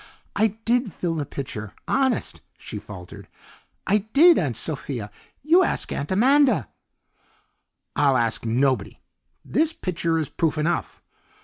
"I did fill the pitcher, honest," she faltered, "I did, Aunt Sophia. You ask Aunt Amanda." "I'll ask nobody. This pitcher is proof enough.